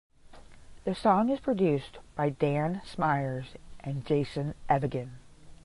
The song is produced by Dan Smyers and Jason Evigan.